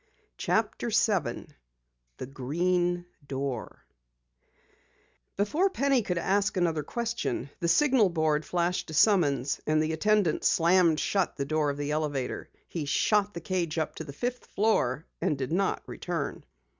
CHAPTER 7 THE GREEN DOOR Before Penny could ask another question, the signal board flashed a summons, and the attendant slammed shut the door of the elevator. He shot the cage up to the fifth floor and did not return.